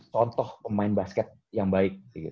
contoh pemain basket yang baik